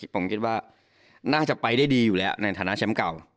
ผมคิดว่าน่าจะไปได้ดีอยู่แล้วในฐานะแชมป์เก่า